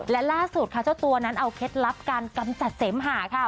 และล่าสุดค่ะเจ้าตัวนั้นเอาเคล็ดลับการกำจัดเสมหาค่ะ